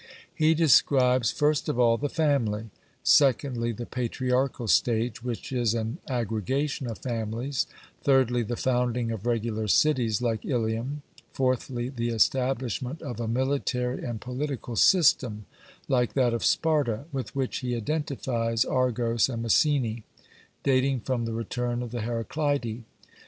He describes, first of all, the family; secondly, the patriarchal stage, which is an aggregation of families; thirdly, the founding of regular cities, like Ilium; fourthly, the establishment of a military and political system, like that of Sparta, with which he identifies Argos and Messene, dating from the return of the Heraclidae.